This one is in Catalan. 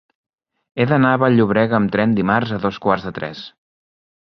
He d'anar a Vall-llobrega amb tren dimarts a dos quarts de tres.